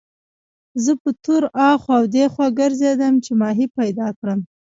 زه په تور اخوا دېخوا ګرځېدم چې ماهي پیدا کړم.